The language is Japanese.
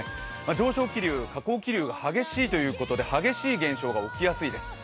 上昇気流、下降気流激しいということで激しい現象起きやすいです。